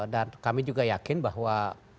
dan kami juga yakin bahwa